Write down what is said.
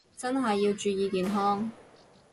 真係要注意健康